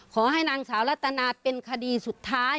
ขอให้นางสาวรัตนาเป็นคดีสุดท้าย